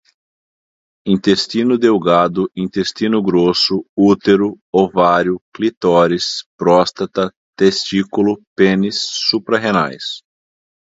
intestino delgado, intestino grosso, útero, ovário, clítoris, próstata, testículo, pênis, suprarrenais